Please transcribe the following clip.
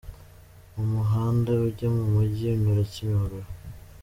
Umuhanda ujya mumujyi unyura Kimihurura.